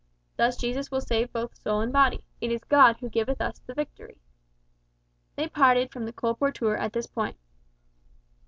Thus Jesus will save both soul and body `it is God who giveth us the victory.'" They parted from the colporteur at this point.